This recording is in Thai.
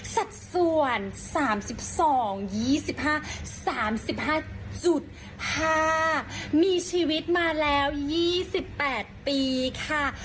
สัดส่วนสามสิบสองยี่สิบห้าสามสิบห้าจุดห้ามีชีวิตมาแล้วยี่สิบแปดปีค่ะ